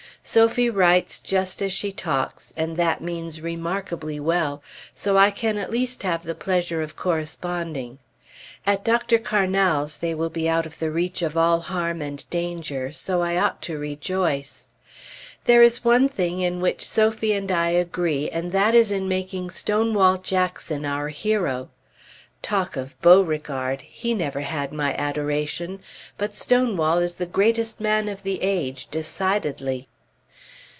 Sophie writes just as she talks and that means remarkably well, so I can at least have the pleasure of corresponding. At Dr. Carnal's they will be out of the reach of all harm and danger; so I ought to rejoice. There is one thing in which Sophie and I agree, and that is in making Stonewall Jackson our hero. Talk of Beauregard! he never had my adoration; but Stonewall is the greatest man of the age, decidedly.